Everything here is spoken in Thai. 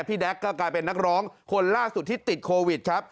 แด๊กก็กลายเป็นนักร้องคนล่าสุดที่ติดโควิดครับ